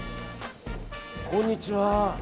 こんにちは。